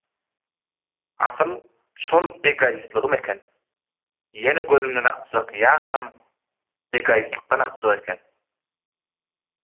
Asyl şol egoistligim eken, ýene gözümden akjak ýaşam egoistlikden akjak eken.